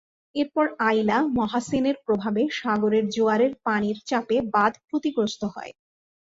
এরপর আইলা, মহাসেনের প্রভাবে সাগরের জোয়ারের পানির চাপে বাঁধ ক্ষতিগ্রস্ত হয়।